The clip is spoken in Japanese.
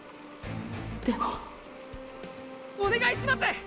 でもお願いします！